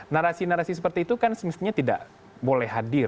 narasi narasi seperti itu kan semestinya tidak boleh hadir